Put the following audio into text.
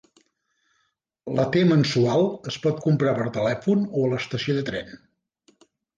La T-mensual es pot comprar per telèfon o a l'estació de tren.